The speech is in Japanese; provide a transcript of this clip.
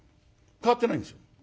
変わってないんですよ。